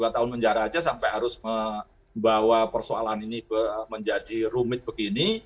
dua tahun penjara saja sampai harus membawa persoalan ini menjadi rumit begini